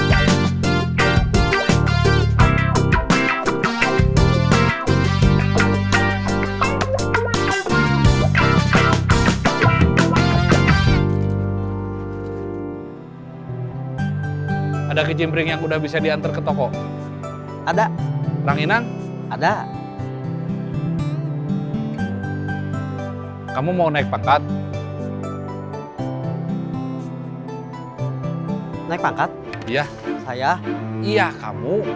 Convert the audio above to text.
sampai jumpa di video selanjutnya